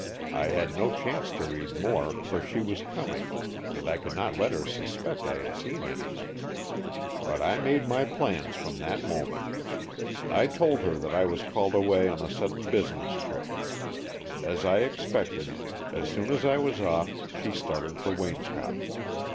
I had no chance to read more, for she was coming, and I could not let her suspect I had seen anything. But I made my plans from that moment. I told her that I was called away on a sudden business trip. As I expected, as soon as I was off, she started for Waynscott.